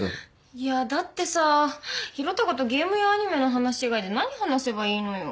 いやだってさ宏嵩とゲームやアニメの話以外で何話せばいいのよ。